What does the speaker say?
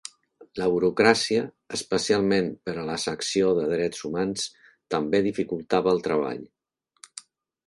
La burocràcia, especialment per a la secció de drets humans, també dificultava el treball.